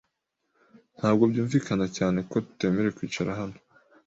Ntabwo byumvikana cyane. ko tutemerewe kwicara hano .